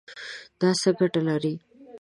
دا څه ګټه لري؟